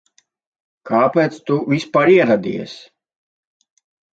Kāpēc tu vispār ieradies?